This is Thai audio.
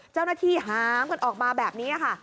เจ้าหน้าที่ห้ามกันออกมาแบบนี้ค่ะ